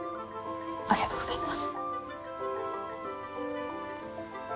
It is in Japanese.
ありがとうございます。